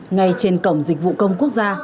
ngay trên cổng dịch vụ công quốc gia